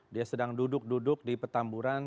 dia sedang duduk duduk di petamburan